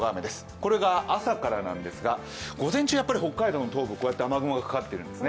これが朝からですが午前中、北海道の東部雨雲がかかっているんです。